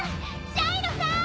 ジャイロさーん！